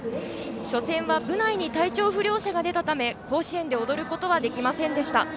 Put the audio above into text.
初戦は部内に体調不良者が出たため甲子園で踊ることはできませんでした。